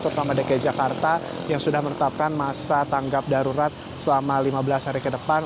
terutama dki jakarta yang sudah menetapkan masa tanggap darurat selama lima belas hari ke depan